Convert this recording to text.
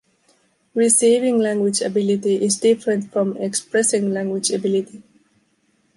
Receiving language ability is different from expressing language ability.